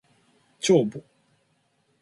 帳簿